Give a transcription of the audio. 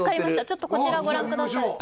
ちょっとこちらをご覧ください